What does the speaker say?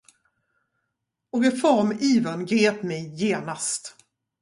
Och reformivern grep mig genast.